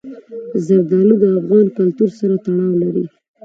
زردالو د افغان کلتور سره تړاو لري.